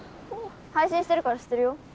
配信してるから知ってるよ。